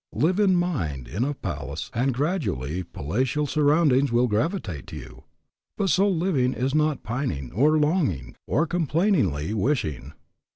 Live in mind in a palace and gradually palatial surroundings will gravitate to you. But so living is not pining, or longing, or complainingly wishing.